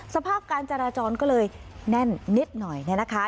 สภาพการจราจรก็เลยแน่นนิดหน่อย